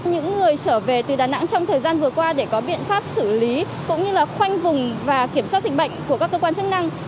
những người trở về từ đà nẵng trong thời gian vừa qua để có biện pháp xử lý cũng như là khoanh vùng và kiểm soát dịch bệnh của các cơ quan chức năng